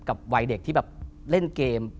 กับวัยเด็กที่เล่นเกม